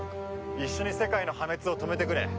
一緒に世界の破滅を止めてくれ。